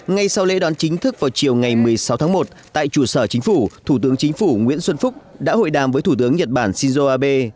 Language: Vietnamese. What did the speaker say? ngay sau lễ đón chính thức vào chiều ngày một mươi sáu tháng một tại trụ sở chính phủ thủ tướng chính phủ nguyễn xuân phúc đã hội đàm với thủ tướng nhật bản shinzo abe